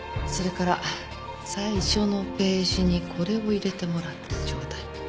それから最初のページにこれを入れてもらってちょうだい。